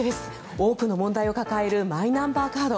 多くの問題を抱えるマイナンバーカード。